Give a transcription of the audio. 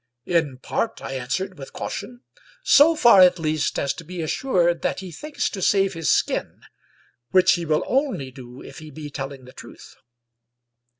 " In part," I answered with caution. " So far at least as to be assured that he thinks to save his skin, which he will only do if he be telling the truth.